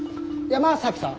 山崎さん。